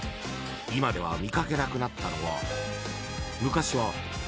［今では見掛けなくなったのは］